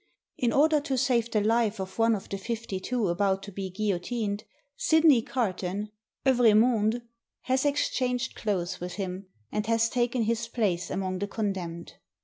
In order to save the life of one of the fifty two about to be guillotined, Sydney Carton (" Evremonde ") has exchanged clothes with him, and has taken his place among the condemned.